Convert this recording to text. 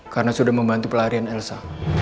karena sudah membantu pelarian elsa